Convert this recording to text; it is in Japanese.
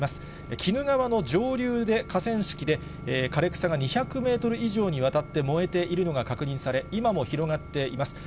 鬼怒川の上流で、河川敷で枯れ草が２００メートル以上にわたって燃えているのが確認され、今も広がっています。